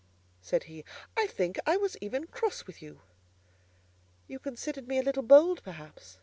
said he: "I think I was even cross with you." "You considered me a little bold; perhaps?"